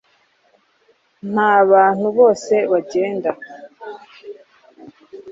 Nkabantu bose bagenda